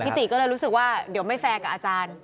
ติก็เลยรู้สึกว่าเดี๋ยวไม่แฟร์กับอาจารย์